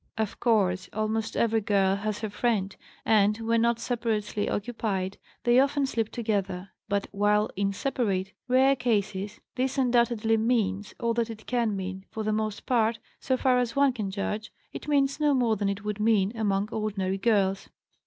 Of course, almost every girl has her friend, and, when not separately occupied, they often sleep together; but, while in separate, rare cases, this undoubtedly means all that it can mean, for the most part, so far as one can judge, it means no more than it would mean among ordinary girls."